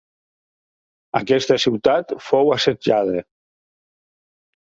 Aquesta ciutat fou assetjada.